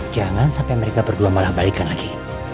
jangan sampai mereka berdua malah balikan lagi